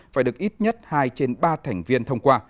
phải được ít nhất hai trên ba thành viên thông qua